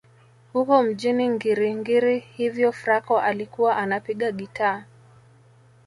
Huko mjini Ngiri Ngiri hivyo Fraco alikuwa anapiga gitaa